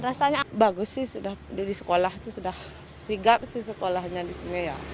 rasanya bagus sih sudah di sekolah itu sudah sigap sih sekolahnya di sini ya